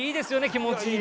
気持ちいい。